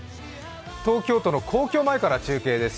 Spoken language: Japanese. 東京都の皇居前から中継です。